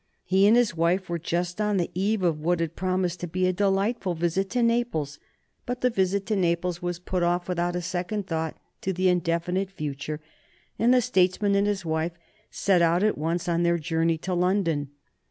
He and his wife were just on the eve of what had promised to be a delightful visit to Naples, but the visit to Naples was put off without a second thought to the indefinite future, and the statesman and his wife set out at once on their journey to London.